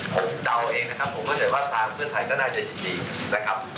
ผมเดาเองนะครับผมเข้าใจว่าทางเพื่อไทยก็น่าจะยินดีนะครับ